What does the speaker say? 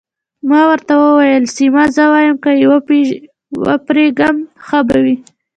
ما ورته وویل: سیمه، زه وایم که يې وپېرم، ښه به وي.